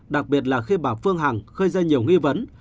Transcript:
đặc biệt là khi bà phương hằng gây ra nhiều nghi vấn